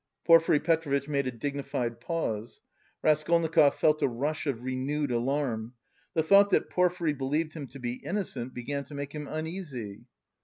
Porfiry Petrovitch made a dignified pause. Raskolnikov felt a rush of renewed alarm. The thought that Porfiry believed him to be innocent began to make him uneasy.